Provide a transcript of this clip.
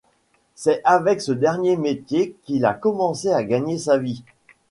C'est avec ce dernier métier qu'il a commencé à gagner sa vie.